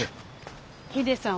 ヒデさん